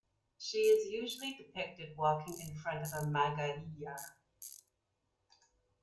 She is usually depicted walking in front of a "magariya".